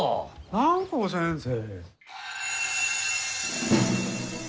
蘭光先生。